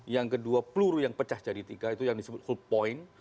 yang kedua peluru yang pecah jadi tiga itu yang disebut hold point